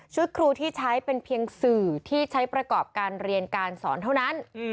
ครูที่ใช้เป็นเพียงสื่อที่ใช้ประกอบการเรียนการสอนเท่านั้น